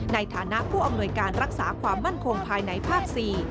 ในฐานะผู้อำนวยการรักษาความมั่นคงภายในภาค๔